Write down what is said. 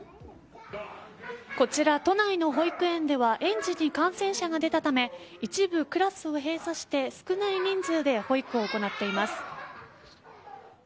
こちら、都内の保育園では園児に感染者が出たため一部クラスを閉鎖して少ない人数で保育を行っています。